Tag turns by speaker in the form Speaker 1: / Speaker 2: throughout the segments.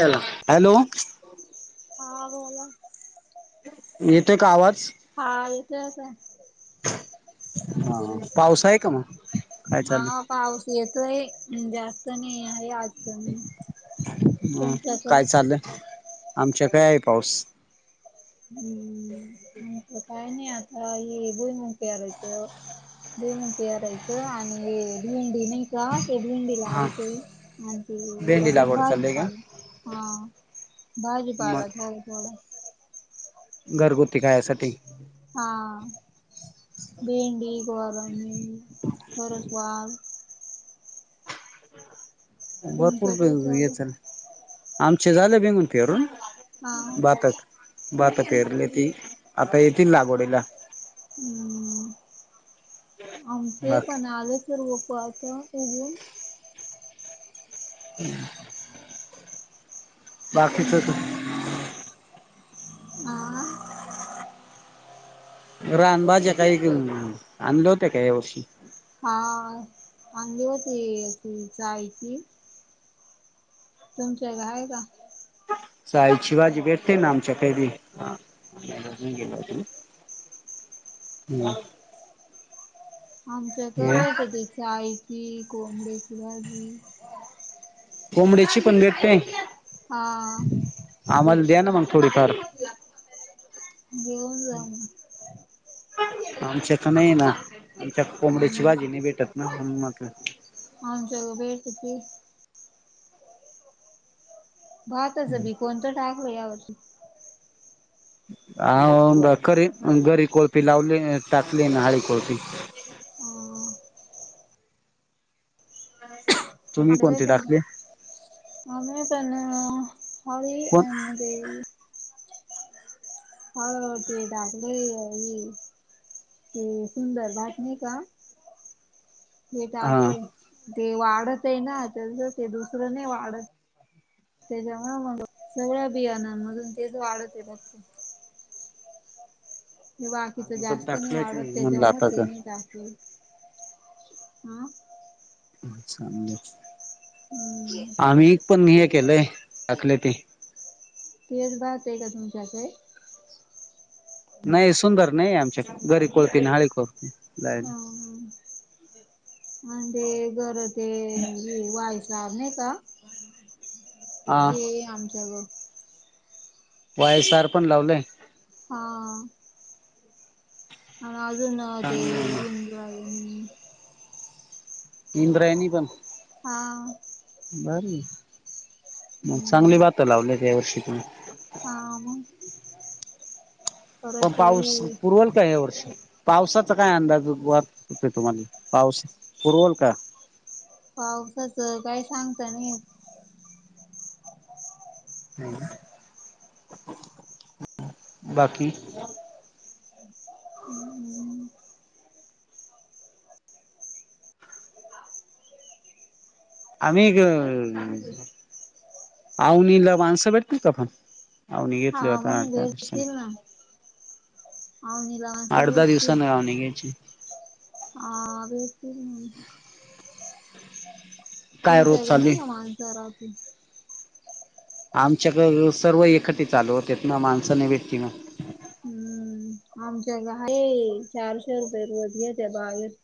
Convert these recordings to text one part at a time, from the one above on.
Speaker 1: Hello hello
Speaker 2: हा बोला
Speaker 1: येतोय का आवाज
Speaker 2: हा येतोय आता
Speaker 1: हा पाऊस आहे का मग काय
Speaker 2: हा
Speaker 1: चाललंय
Speaker 2: पाऊस येतोय जास्त नाही आहे. आज सन सन त्याचं
Speaker 1: चालय आमच्याकड आहे पाऊस
Speaker 2: हम्म आमच काही नाही आता हे भुईमूग पेरायचं भुईमूग पेरायचं आणि हे भेंडी नाही गा ते भिंडी
Speaker 1: हा
Speaker 2: लाविते आणि ते
Speaker 1: भेंडी
Speaker 2: असंच
Speaker 1: लागवड चाललीय का
Speaker 2: भाजीपालं हा भाजीपाला
Speaker 1: मग
Speaker 2: थोडा थोडा
Speaker 1: घरगुती खायासाठी
Speaker 2: हा भेंडी गोरानी परत वॉल
Speaker 1: भरपूर
Speaker 2: तुमचं काय चालू
Speaker 1: येचल आमचे झाले भुईमुंग पेरून
Speaker 2: हा
Speaker 1: भातात भातात पेरल्याती आता येतील लागवडीला
Speaker 2: हम्म आमचे
Speaker 1: बाकी
Speaker 2: पण आले सर्व पात उगऊन
Speaker 1: हम्
Speaker 2: तुम
Speaker 1: बाकीच त
Speaker 2: हा
Speaker 1: रानबाज काही आणले होत्या का या वर्षी
Speaker 2: हा आणली होती एक हिच्या आईची ची् तुमच्या आई हाय का
Speaker 1: चाळीची भाजी भेटते ना आमच्याकडं ह्याच्यातन गेला तू हम्
Speaker 2: आमच क भेटती चाळीची कोंबरेची भाजी
Speaker 1: कोंबड्याची पन भेटते
Speaker 2: हा
Speaker 1: आम्हाला द्या ना मग थोडीफार
Speaker 2: घेऊन जा मग
Speaker 1: आमच्याक नाहीये ना आमच्यात कोंबड्याची
Speaker 2: हम्म
Speaker 1: भाजी नाही भेटत. नको न म्हटलं.
Speaker 2: आमच्याक भेटती. भाताचं बी कोणतं टाकू यावर्षी
Speaker 1: आ खरीप घरी कोळफी लावली टाकली ना हळी कोळफी
Speaker 2: हा
Speaker 1: तुम्ही कोणते टाकले?
Speaker 2: ऊसन
Speaker 1: कोण
Speaker 2: [inaudible] ह ते लागलं ह्या वेळी सुंदर भात नाही का ते
Speaker 1: हा
Speaker 2: टाकलंय. ते वाढत ये ना त्याच ते दुसरं नाही वाढत. त्याच्यामुळे मग सगळ्या बियांनानमधून तेच वाढत ये फक्त ते बाकीच
Speaker 1: आम्ही पण
Speaker 2: जास्त नाही
Speaker 1: टाकलंच
Speaker 2: वाढत ये
Speaker 1: म्हणलं
Speaker 2: त्याच्यामुळ
Speaker 1: आता
Speaker 2: ते
Speaker 1: का
Speaker 2: नाई टाकेल हं
Speaker 1: अच्छा!
Speaker 2: हम्म
Speaker 1: आम्ही पण हे केलंय टाकले ते
Speaker 2: तेच भात ये का तुमच्याकडे?
Speaker 1: नाही सुंदर नाहीये आमच्याक घरी कोळपी ना हळी कोळपी लावली
Speaker 2: हा म ते करत ते वायसार नाही का?
Speaker 1: हा
Speaker 2: ते आमच्या ग
Speaker 1: वायसार पण लावलंय.
Speaker 2: हा आणि अजून ते
Speaker 1: चांगलं
Speaker 2: इंद्रायणी
Speaker 1: इंद्रयानी पण
Speaker 2: हा
Speaker 1: भारीये मग चांगली
Speaker 2: हम्म
Speaker 1: भाता लावल्यात या वर्षी पण
Speaker 2: हा मग.
Speaker 1: पण
Speaker 2: परत
Speaker 1: पाऊस
Speaker 2: हे
Speaker 1: पुरवल का या वर्षी पावसाचा काय अंदाज वाटते तुम्हाला पाऊस पुरवल का?
Speaker 2: पावसाच काय सांगता नाही येत.
Speaker 1: हम्म बाकी?
Speaker 2: [unintelligible]
Speaker 1: आम्ही आवनीला माणसं भेटतील का पण औऊनी
Speaker 2: हा
Speaker 1: घेतले होते
Speaker 2: मग
Speaker 1: आत्ता दिसेना
Speaker 2: भेटतील ना. आवनीला माणसं
Speaker 1: आठ दहा दिवसांनी अवनी घ्यायची.
Speaker 2: आ भेटतील ना
Speaker 1: काय रोज
Speaker 2: तुमच्याकड
Speaker 1: चालू
Speaker 2: नाही ना माणस राहती.
Speaker 1: आमच्याक हे सर्व एकखट्टी चालू होतेत ना माणस नाही भेटती ना
Speaker 2: हम्म आमच्याक हाय चारशे रुपये रोज घ्यात्या बावीस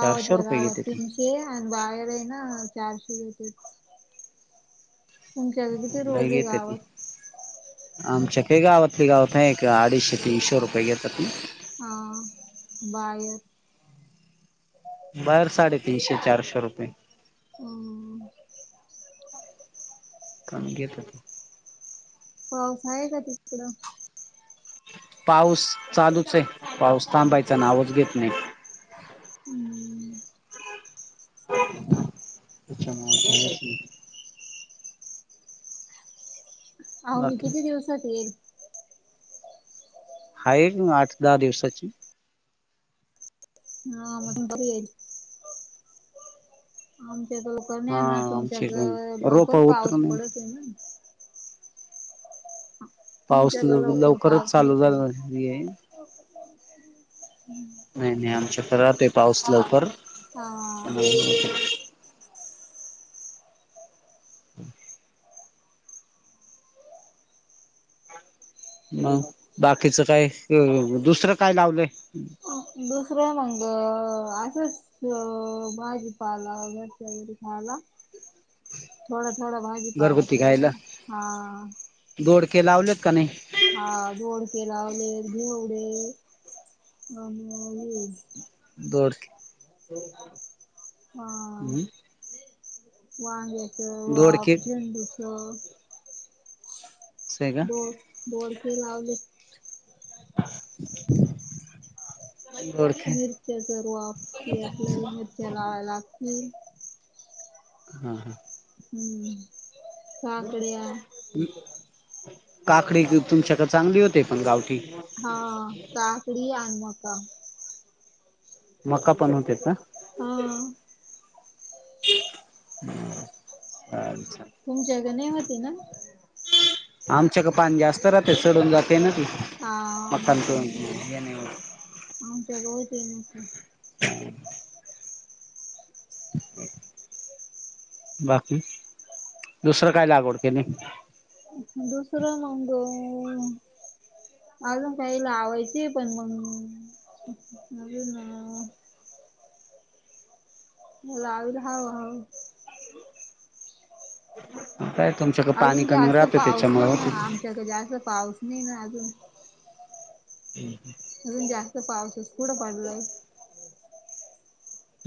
Speaker 1: चारशे रुपये
Speaker 2: गावात
Speaker 1: घेते ती
Speaker 2: तीनशे आणि बाहेर ये ना चारशे घेतेत. किती
Speaker 1: नाही
Speaker 2: रोज आहे
Speaker 1: घेत्या की
Speaker 2: गावात?
Speaker 1: आमच्याक गावातल्या गावात आहे एक अडीचशे तीनशे रुपये घेतात.
Speaker 2: हा बाय.
Speaker 1: बाहेर साडेतीनशे-चारशे रुपये
Speaker 2: हम्म
Speaker 1: कमी घेतात.
Speaker 2: पाऊस आहे का तिकडं?
Speaker 1: पाऊस चालूच आहे पाऊस थांबायचं नावच घेत नाही.
Speaker 2: हम्म
Speaker 1: [unintelligible]
Speaker 2: अवनी
Speaker 1: बाकी
Speaker 2: किती दिवसात येईल?
Speaker 1: हाये एक आठ-दहा दिवसाची.
Speaker 2: हा म तुम्ही बरे हेत. आमच्यात कोण नाही
Speaker 1: हा
Speaker 2: येनार
Speaker 1: आमची
Speaker 2: तुमच्यात
Speaker 1: रोप
Speaker 2: लवकर पाऊस
Speaker 1: उतरून
Speaker 2: पडतोय ना.
Speaker 1: पाऊस
Speaker 2: आमच्याकडं लवकर
Speaker 1: लवकरच
Speaker 2: पाऊस नही
Speaker 1: चालू झाला
Speaker 2: पडत.
Speaker 1: हे नाही नाही आमच्याकडं राहतोय पाऊस लवकर
Speaker 2: हा.
Speaker 1: [inaudible] मग बाकीच काय दुसरं काय लावलंय?
Speaker 2: दुसरं मंग असंच भाजी पाला घरच्या घरी खायाला.
Speaker 1: [unintelligible]
Speaker 2: थोडा थोडा भाजीपाला
Speaker 1: घरगुती
Speaker 2: केला.
Speaker 1: खायला
Speaker 2: हा
Speaker 1: दोडके लावलेत का नाही?
Speaker 2: हा दोडके लावले घेवडे आणि हे
Speaker 1: दोडके
Speaker 2: हा
Speaker 1: हम्म
Speaker 2: वांग्याच वाफ,
Speaker 1: दोडके
Speaker 2: झेंडूचं,
Speaker 1: असं आहे का
Speaker 2: दोड दोडके लावलेत
Speaker 1: [inaudible] दोडके
Speaker 2: मिरच्याचं रॉप पेरलं मिरच्या लावाव्या लागतील.
Speaker 1: हा हा
Speaker 2: हम्म काकड्या.
Speaker 1: काकडी घेऊ तुमच्याकड चांगली होती पण गावठी
Speaker 2: हा काकडी आणि मका
Speaker 1: मका पण होते का?
Speaker 2: हा
Speaker 1: अच्छा
Speaker 2: तुमच्याग नाही होती ना मी
Speaker 1: आमच्याक पाणी जास्त राहते सडून जाते ना ती.
Speaker 2: हा
Speaker 1: मकांच
Speaker 2: मका नाही
Speaker 1: हे नाही होत.
Speaker 2: होतं आमच्या गावात हाय मका
Speaker 1: [inaudible] बाकी दुसरं काय लागवड केली?
Speaker 2: दुसरं मंग अजून काही लावायचे पण मग अजून लाविल हळू हळू.
Speaker 1: काय तुमच्याकड पाणी कमी राहतं त्याच्यामुळे
Speaker 2: ग जास्त पाऊस नाही ना अजून
Speaker 1: हम्म हम्म
Speaker 2: अजून जास्त पाऊसच कूढं पडलाय?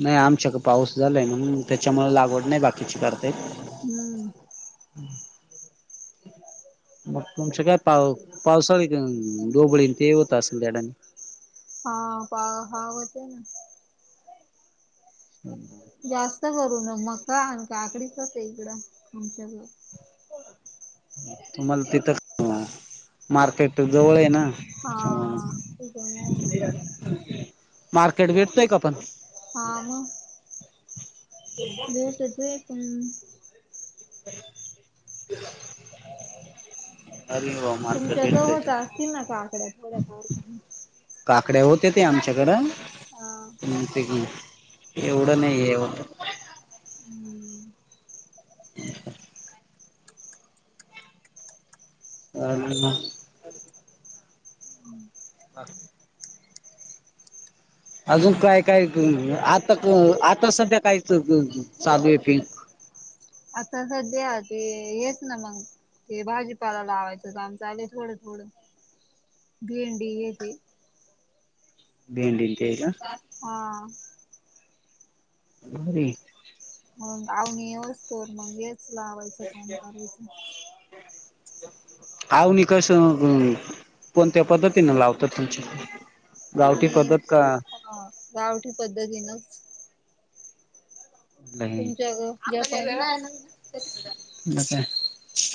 Speaker 1: नाही आमच्याक पाऊस झालाय मग त्याच्यामुळे लागवड नाही बाकीची करता येत.
Speaker 2: हम्म...
Speaker 1: मग तुमच्या काय पाव पावसाळी डोबळीन ते होत असेल त्या टाईमिंग
Speaker 2: ह पा हा होते ना.,,
Speaker 1: हम्...
Speaker 2: जास्त करू न मका आण काकडीच आहे इकडं आमच्याक., -
Speaker 1: तुम्हाला तिथं मार्केट जवळ आहे ना., - अ
Speaker 2: हा त्याच्यामुळे
Speaker 1: म्ह मार्केट भेटतय का पण
Speaker 2: हा मग बेसुध आहे पण
Speaker 1: अरे वा मार्केट
Speaker 2: तुमच्या
Speaker 1: भेटतय
Speaker 2: गव्हाचा असतील ना का आकड्यात पाणी
Speaker 1: काकड्या होते ते आमच्याकडं.
Speaker 2: हा...,
Speaker 1: नपिक एवढ ने येव,
Speaker 2: हम्म..
Speaker 1: ह. ह.. हा.. अजून काय काय आता आता सध्या काय चालू आहे फि,
Speaker 2: आता सध्या ते हेच ना मग, ते भाजीपाला लावायचं का आमच आले थोडं थोडं भेंडी घेते,
Speaker 1: भेड ते आहे का?
Speaker 2: हा...
Speaker 1: ह.
Speaker 2: मग पावणे येवस्तोर मग हेच लावायचं काम करायचं,
Speaker 1: आवणी कस, कोणत्या पद्धतीनें लावतात तुमच्याकडे,
Speaker 2: आवणी गावठी पद्धतीनच,.
Speaker 1: नाही
Speaker 2: तुमच्या
Speaker 1: आपल्या ज
Speaker 2: जपानी
Speaker 1: वेळा आहे मग काय.,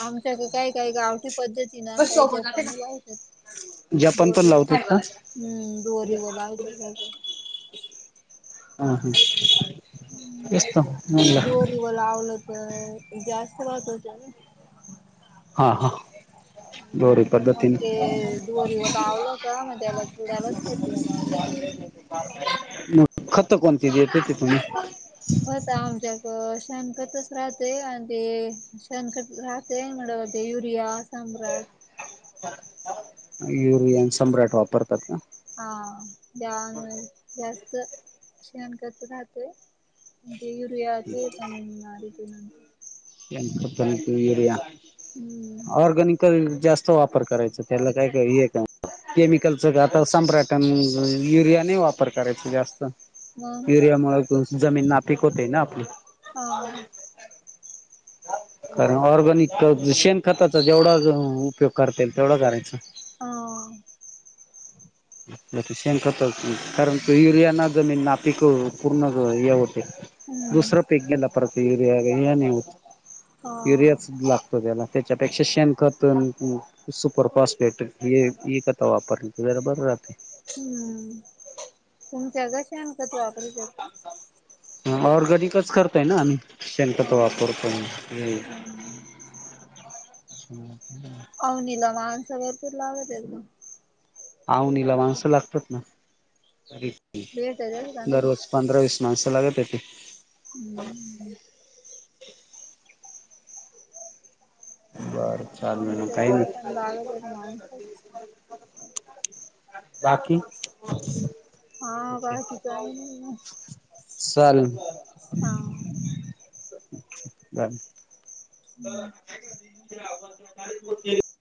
Speaker 2: आमच्या काही काही गावठी पद्धती ना काही जपानी लावतात.
Speaker 1: जपान पण
Speaker 2: दोरी व
Speaker 1: लावतात का
Speaker 2: हम्म दोरी वर लावतात
Speaker 1: हम ह येतो म्हणलं.,
Speaker 2: ब लावलं तर जास्त महत्त्वाच आहे ना,.
Speaker 1: हा हा.. दोरी
Speaker 2: मग ते
Speaker 1: पद्धतीने
Speaker 2: दोरीवर लावलं का मग त्याला चुरायाला द्याला आव
Speaker 1: बानवे. मग खत कोणती दयेत त तुम्ही??
Speaker 2: खत आमच्या इथे शेणखतच राहतंय तें शेणखत राहत तें युरिया सम्राट.
Speaker 1: युरिया अन सम्राट वापरतात का
Speaker 2: हा त्यामुळे जास्त शेणखत राहतय त्ये युरिया तें पण आत
Speaker 1: युरिया
Speaker 2: हम्म.
Speaker 1: ऑर्गनिक. जास्त वापर करायचा त्याला काय काय हे आहे का? केमिकलचं आता सम्राटन, युरिया नही वापर करायचा जास्त,
Speaker 2: मग
Speaker 1: युरिया मुळं, जमीन नापिक होते ना आपली,
Speaker 2: हा.
Speaker 1: कारण ऑर्गनिक शेण खताचा जेवढा उपयोग करता येईल तेवढा करायचा.
Speaker 2: हा.
Speaker 1: त्याचे शेण, खतं, कारण तो युरिया ने, जमीन, नापिक पूर्ण हे होते.
Speaker 2: हम्म
Speaker 1: दुसरं पीक घ्यायला, परत युरिया नाही होत
Speaker 2: हा
Speaker 1: युरियाच लागतो त्याला. त्याच्यापेक्षा शेण खत. सुपरफास्ट बॅटरी हे, खत, वापरली बर झालं.
Speaker 2: ह, तुमच्याक, शेणखत वापरित्यात ना.
Speaker 1: ऑरगॅनिकच करताय ना आम्ही
Speaker 2: का अ
Speaker 1: शेणखत वापरतो हं ह्.,
Speaker 2: आवनीला माणसं, भरपूर, लागाव्यात ना.
Speaker 1: आवणीला माणस लागतात ना तरी
Speaker 2: भेटतच का नाही
Speaker 1: दररोज,. पंधरा वीस माणसं लागत्या तीत.
Speaker 2: हं.
Speaker 1: बरं चार महिने, काही. नाही.
Speaker 2: ते माणसंच.
Speaker 1: बाकी,.
Speaker 2: हा बाकी काय नाही.
Speaker 1: चालेल मग.
Speaker 2: हा,
Speaker 1: काय.
Speaker 2: हुं.